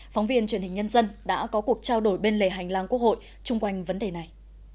phóng viên truyền hình nhân dân đã có cuộc trao đổi bên lề hành lang quốc hội chung quanh vấn đề này